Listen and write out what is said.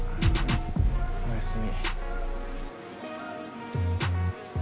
おやすみ。